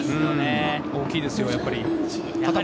大きいですよ、やっぱり。